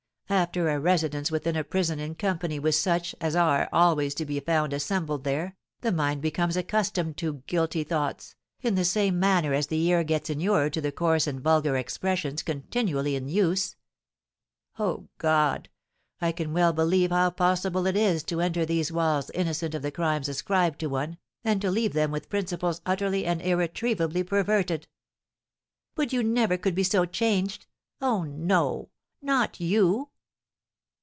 "After a residence within a prison in company with such as are always to be found assembled there, the mind becomes accustomed to guilty thoughts, in the same manner as the ear gets inured to the coarse and vulgar expressions continually in use. Oh, God, I can well believe how possible it is to enter these walls innocent of the crimes ascribed to one, and to leave them with principles utterly and irretrievably perverted!" "But you never could be so changed! Oh, no, not you!"